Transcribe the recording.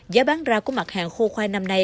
giá bán ra của mặt hàng khô khoai năm nay